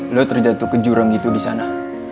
lo terjatuh ke jurang gitu disana